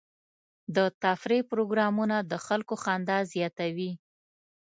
د تفریح پروګرامونه د خلکو خندا زیاتوي.